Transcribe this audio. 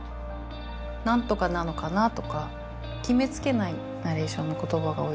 「何とかなのかな」とか決めつけないナレーションの言葉が多いですよね。